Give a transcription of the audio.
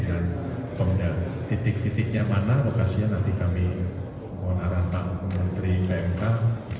dan titik titiknya mana lokasinya nanti kami mengarahkan menteri bumk sama menteri upr